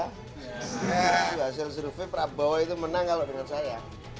hasil survei prabowo itu menang kalau dengan saya